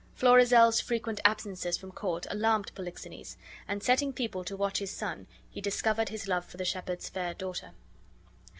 Florizel's frequent absences from court alarmed Polixenes; and setting people to watch his son, he discovered his love for the shepherd's fair daughter.